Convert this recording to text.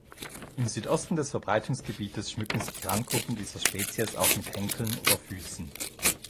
Im Südosten des Verbreitungsgebietes schmücken sich Randgruppen dieser Spezies auch mit Henkeln oder Füßen.